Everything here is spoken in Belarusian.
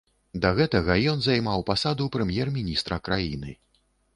Да гэтага ён займаў пасаду прэм'ер-міністра краіны.